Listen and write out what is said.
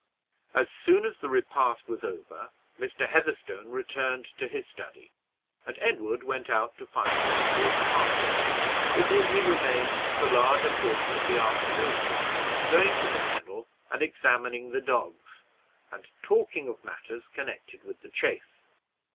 As soon as the repast was over, Mr. Heatherstone returned to his study, and Edward went out to find Oswald Partridge, with whom he remained the larger portion of the afternoon, going to the kennel and examining the dogs, and talking of matters connected with the chase.